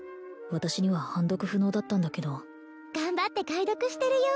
私には判読不能だったんだけど頑張って解読してるよ